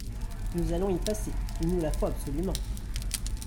Nous allons y passer… il nous la faut absolument…